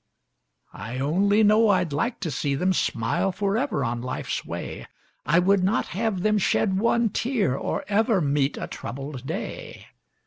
I only know I'd like to see them smile forever on life's way; I would not have them shed one tear or ever meet a troubled day.